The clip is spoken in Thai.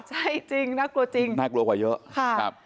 ใช่จริงน่ากลัวจริงน่ากลัวกว่าเยอะค่ะ